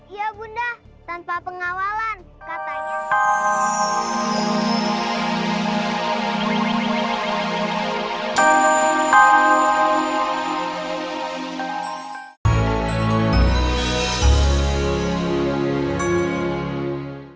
iya bunda tanpa pengawalan katanya